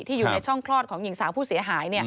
อยู่ในช่องคลอดของหญิงสาวผู้เสียหาย